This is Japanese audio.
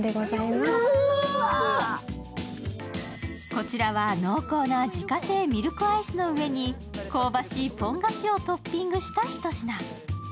こちらは濃厚な自家製ミルクアイスの上に香ばしいポン菓子をトッピングしたひと品。